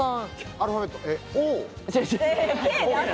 アルファベット、Ｏ！